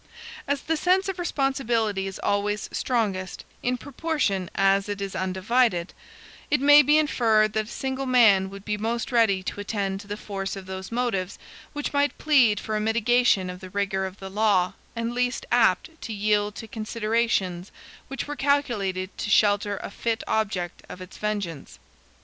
As the sense of responsibility is always strongest, in proportion as it is undivided, it may be inferred that a single man would be most ready to attend to the force of those motives which might plead for a mitigation of the rigor of the law, and least apt to yield to considerations which were calculated to shelter a fit object of its vengeance.